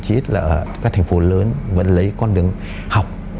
chỉ là các thành phố lớn vẫn lấy con đường học